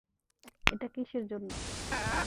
এটা কিসের জন্য?